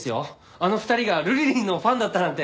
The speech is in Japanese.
あの２人がルリリンのファンだったなんて。